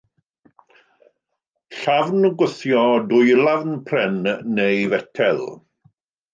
Llafn gwthio dwylafn pren neu fetel.